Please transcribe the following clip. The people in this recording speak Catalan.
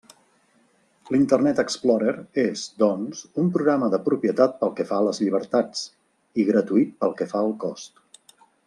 L'Internet Explorer és, doncs, un programa de propietat pel que fa a les llibertats, i gratuït pel que fa al cost.